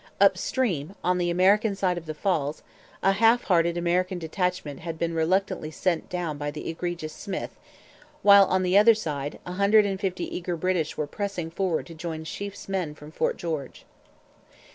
Up stream, on the American side of the Falls, a half hearted American detachment had been reluctantly sent down by the egregious Smyth; while, on the other side, a hundred and fifty eager British were pressing forward to join Sheaffe's men from Fort George.